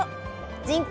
人口